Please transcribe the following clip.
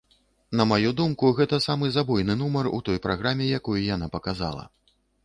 На маю думку, гэта самы забойны нумар у той праграме, якую яна паказала.